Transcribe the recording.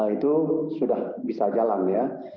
itu sudah bisa jalan ya